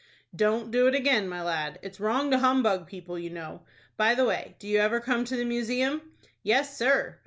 "Don't do it again, my lad. It's wrong to hum bug people, you know. By the way, do you ever come to the Museum?" "Yes, sir."